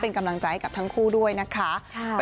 เป็นกำลังใจกับทั้งคู่ด้วยนะคะ